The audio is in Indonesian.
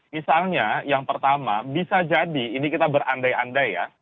misalnya yang pertama bisa jadi ini kita berandai andai ya